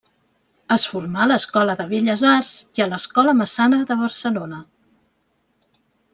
Es formà a l’Escola de Belles Arts i a l’Escola Massana, de Barcelona.